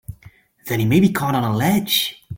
Then he may be caught on a ledge!